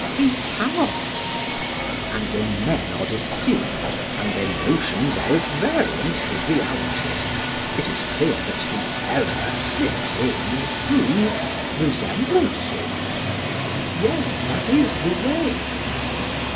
PHAEDRUS: He cannot. SOCRATES: And when men are deceived and their notions are at variance with realities, it is clear that the error slips in through resemblances? PHAEDRUS: Yes, that is the way.